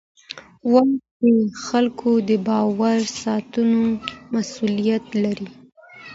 واک د خلکو د باور ساتلو مسؤلیت لري.